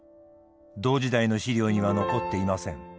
同時代の資料には残っていません。